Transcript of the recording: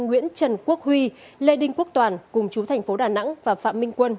nguyễn trần quốc huy lê đinh quốc toàn cùng chú thành phố đà nẵng và phạm minh quân